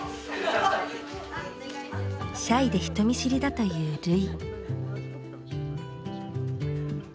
シャイで人見知りだという瑠唯。